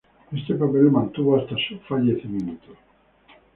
Este papel lo mantuvo hasta su fallecimiento.